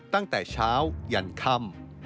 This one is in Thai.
ตั้งแต่เช้ายันค่ำ